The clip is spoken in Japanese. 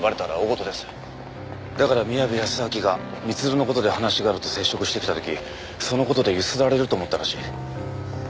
だから宮部保昭が光留の事で話があると接触してきた時その事でゆすられると思ったらしい。